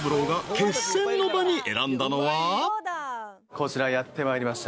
こちらやって参りました。